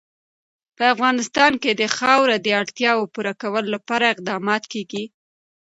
په افغانستان کې د خاوره د اړتیاوو پوره کولو لپاره اقدامات کېږي.